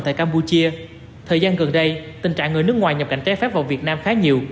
tại campuchia thời gian gần đây tình trạng người nước ngoài nhập cảnh trái phép vào việt nam khá nhiều